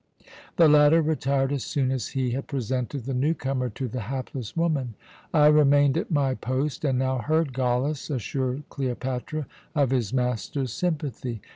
"The latter retired as soon as he had presented the new comer to the hapless woman. "I remained at my post and now heard Gallus assure Cleopatra of his master's sympathy.